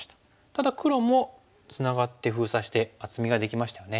ただ黒もつながって封鎖して厚みができましたよね。